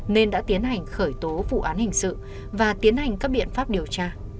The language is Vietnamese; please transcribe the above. nên đã tiến hành khởi tố vụ án hình sự và tiến hành các biện pháp điều tra